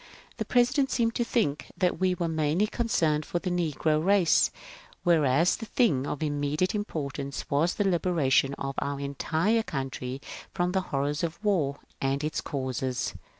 The President seemed to think that we were mainly concerned for the negro race, whereas the thing of immediate importance was the liberation of our entire country from the horrors of war and its causes.